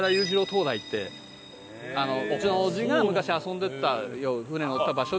灯台ってうちの叔父が昔遊んでた船に乗ってた場所で。